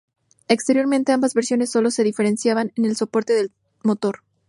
Exteriormente, ambas versiones sólo se diferenciaban en el soporte del motor.